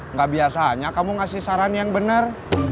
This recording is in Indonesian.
nggak biasanya kamu ngasih saran yang benar